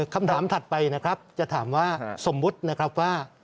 ถัดไปนะครับจะถามว่าสมมุตินะครับว่า